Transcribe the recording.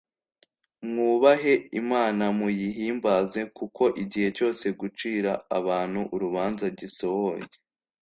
mwubahe imana muyihimbaze, kuko igihe cyose gucira abantu urubanza gisohoye